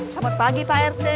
selamat pagi pak rete